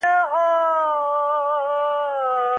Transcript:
بله ورځ مو بيا سيالي وکړه، هغه راڅخه مخکي سو